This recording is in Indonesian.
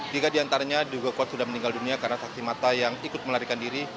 tiga di antaranya juga sudah meninggal dunia karena saksi mata yang ikut melarikan diri